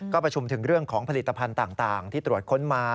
ก็ประชุมถึงเรื่องของผลิตภัณฑ์ต่างที่ตรวจค้นมา